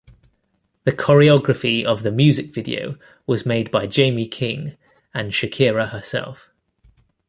The choreography of the music video was made by Jamie King and Shakira herself.